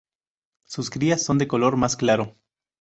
Sus crías son de color más claro.